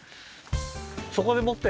そこでもって！